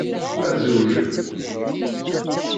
Ad zewjen.